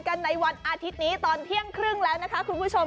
ในวันอาทิตย์นี้ตอนเที่ยงครึ่งแล้วนะคะคุณผู้ชม